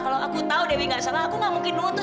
kalau aku tahu dewi gak salah aku nggak mungkin nutuh